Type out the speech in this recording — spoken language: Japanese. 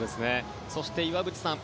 そして、岩渕さん